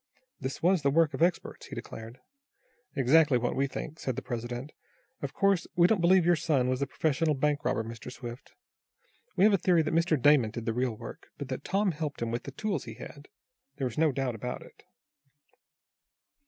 "This was the work of experts," he declared. "Exactly what we think," said the president. "Of course we don't believe your son was a professional bank robber, Mr. Swift. We have a theory that Mr. Damon did the real work, but that Tom helped him with the tools he had. There is no doubt about it."